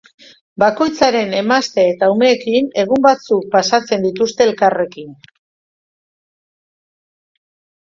Bakoitzaren emazte eta umeekin egun batzuk pasatzen dituzte elkarrekin.